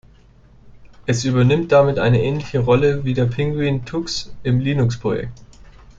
Es übernimmt damit eine ähnliche Rolle wie der Pinguin Tux im Linux-Projekt.